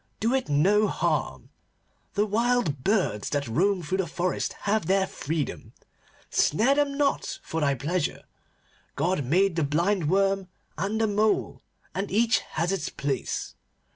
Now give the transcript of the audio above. Do it no harm. The wild birds that roam through the forest have their freedom. Snare them not for thy pleasure. God made the blind worm and the mole, and each has its place.